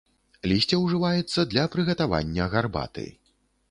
Лісце ўжываецца для прыгатавання гарбаты.